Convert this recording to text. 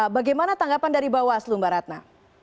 bagaimana tanggapan dari bawaslu mbak ratna